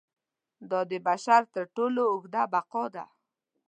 دا د بشر تر ټولو اوږده بقا ده.